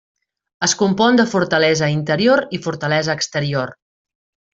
Es compon de fortalesa interior i fortalesa exterior.